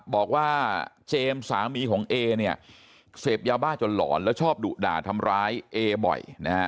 บอกว่าเจมสามีของเอเสพยาบ้าจนหล่อนและชอบดุด่าทำร้ายเอบ่อย